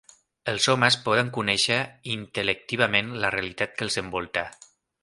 Els homes poden conèixer intel·lectivament la realitat que els envolta.